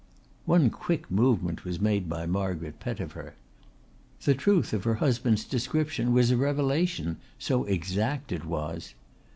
One quick movement was made by Margaret Pettifer. The truth of her husband's description was a revelation, so exact it was.